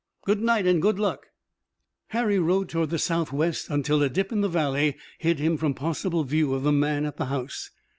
"Good night and good luck." Harry rode toward the southwest until a dip in the valley hid him from possible view of the man at the house.